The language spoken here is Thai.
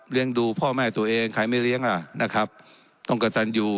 ดูพ่อแม่ตัวเองใครไม่เลี้ยงล่ะนะครับต้องกระตันอยู่